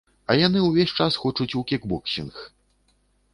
А яны ўвесь час хочуць у кікбоксінг.